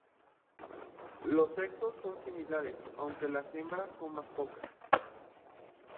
Los sexos son similares, aunque las hembras son más opacas.